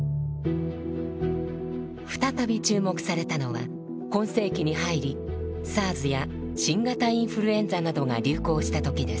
再び注目されたのは今世紀に入りＳＡＲＳや新型インフルエンザなどが流行したときです。